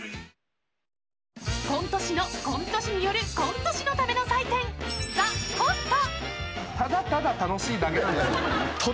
コント師のコント師によるコント師のための祭典「ＴＨＥＣＯＮＴＥ」。